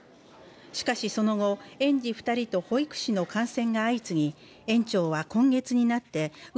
しかしその後、園児２人と保育士の感染が相次ぎ園長は今月になってう